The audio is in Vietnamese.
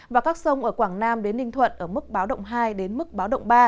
và các sông ở quảng nam đến ninh thuận ở mức báo động hai đến mức báo động ba